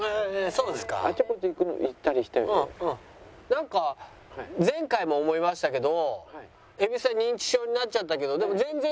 なんか前回も思いましたけど。